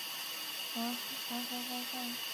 以杭州至黄山方向。